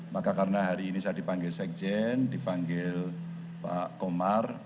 maka karena hari ini saya dipanggil sekjen dipanggil pak komar